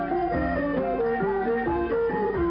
หายละมูเรน